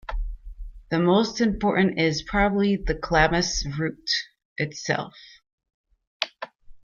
The most important is probably the Calamus root itself.